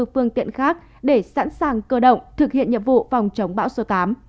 phương tiện khác để sẵn sàng cơ động thực hiện nhiệm vụ phòng chống bão số tám